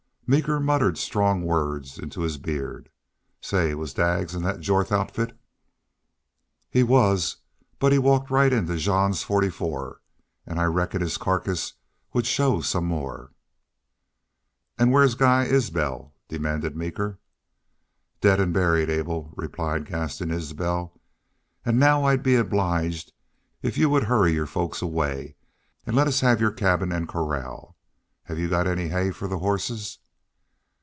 Meeker muttered strong words into his beard. "Say, was Daggs in thet Jorth outfit?" "He WAS. But he walked right into Jean's forty four.... An' I reckon his carcass would show some more." "An' whar's Guy Isbel?" demanded Meeker. "Daid an' buried, Abel," replied Gaston Isbel. "An' now I'd be obliged if y'u 'll hurry your folks away, an' let us have your cabin an' corral. Have yu got any hay for the hosses?"